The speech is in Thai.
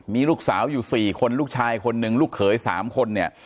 มีลูกสาวอยู่๔คนลูกชายคนหนึ่งลูกเขย๓คนเนี่ย